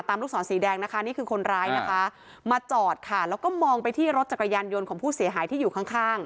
ลูกศรสีแดงนะคะนี่คือคนร้ายนะคะมาจอดค่ะแล้วก็มองไปที่รถจักรยานยนต์ของผู้เสียหายที่อยู่ข้างข้าง